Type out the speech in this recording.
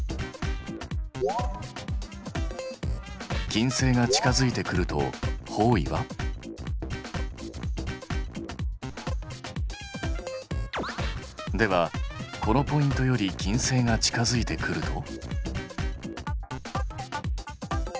金星が近づいてくると方位は？ではこのポイントより金星が近づいてくると。